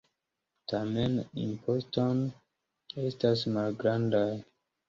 Tamen, impostoj estas malgrandaj.